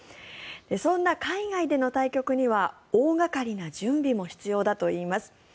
そんな海外での対局には大掛かりな準備も必要だといいます。